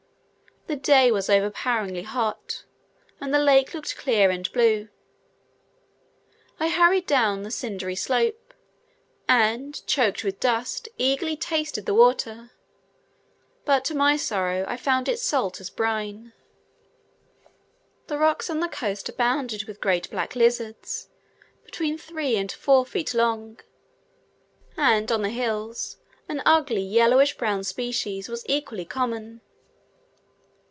The day was overpoweringly hot, and the lake looked clear and blue: I hurried down the cindery slope, and, choked with dust, eagerly tasted the water but, to my sorrow, I found it salt as brine. The rocks on the coast abounded with great black lizards, between three and four feet long; and on the hills, an ugly yellowish brown species was equally common.